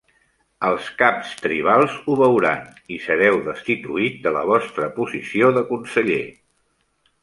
Els caps tribals ho veuran i sereu destituït de la vostra posició de conseller.